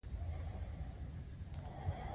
مثلاً د ټولنې لس سلنه یې پانګواله طبقه ده